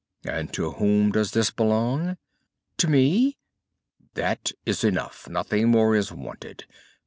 "And to whom does this belong?" "To me." "That is enough, nothing more is wanted.